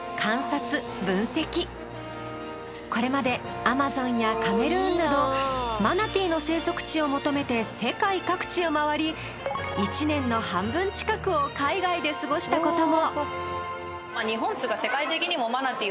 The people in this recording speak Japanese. これまでアマゾンやカメルーンなどマナティーの生息地を求めて世界各地を回り１年の半分近くを海外で過ごした事も。